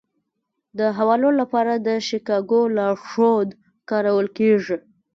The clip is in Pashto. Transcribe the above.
د حوالو لپاره د شیکاګو لارښود کارول کیږي.